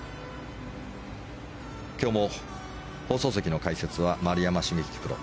今日も放送席の解説は丸山茂樹プロ。